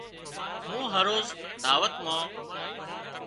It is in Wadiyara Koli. مُون هروز دعوت مان